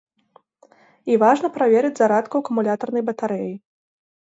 І важна праверыць зарадку акумулятарнай батарэі.